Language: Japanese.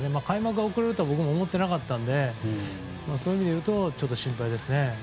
開幕が遅れるとは僕も思っていなかったのでそういう意味で言うとちょっと心配ですね。